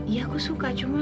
ya aku suka cuma